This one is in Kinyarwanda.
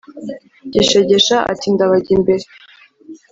gishegesha ati: "ndabajya imbere,